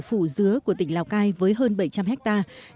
phủ dứa của tỉnh lào cai với hơn bảy trăm linh hectare